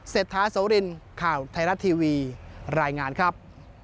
ทาโสรินข่าวไทยรัฐทีวีรายงานครับ